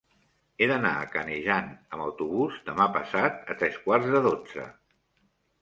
He d'anar a Canejan amb autobús demà passat a tres quarts de dotze.